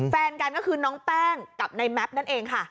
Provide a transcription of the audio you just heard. แฟนกันก็คือน้องแป้งกับในแม็ปนั่นเองค่ะ